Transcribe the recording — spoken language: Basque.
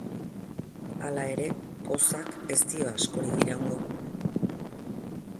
Hala ere, pozak ez dio askorik iraungo.